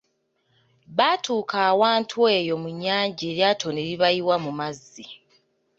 Baatuuka awantu eyo mu nnyanja eryato ne libayiwa mu mazzi.